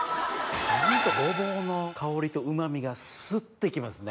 ホントごぼうの香りとうま味がスッと行きますね。